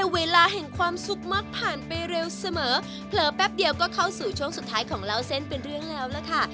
เวลาแห่งความสุขมักผ่านไปเร็วเสมอเผลอแป๊บเดียวก็เข้าสู่ช่วงสุดท้ายของเล่าเส้นเป็นเรื่องแล้วล่ะค่ะ